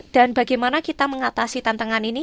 dan bagaimana kita mengatasi tantangan ini